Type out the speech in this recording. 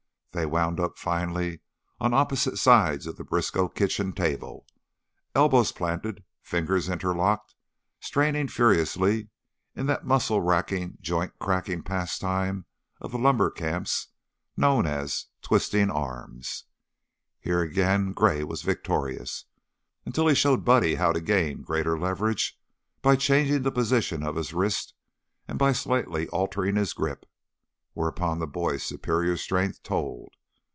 They wound up finally on opposite sides of the Briskow kitchen table, elbows planted, fingers interlocked, straining furiously in that muscle racking, joint cracking pastime of the lumber camps known as "twisting arms." Here again Gray was victorious, until he showed Buddy how to gain greater leverage by changing the position of his wrist and by slightly altering his grip, whereupon the boy's superior strength told.